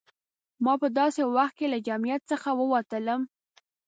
ما په داسې وخت کې له جمعیت څخه ووتلم.